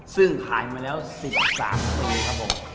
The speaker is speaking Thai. ซึ่งขายมาแล้ว๑๓ปีครับผม